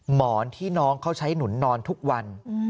หมอนที่น้องเขาใช้หนุนนอนทุกวัน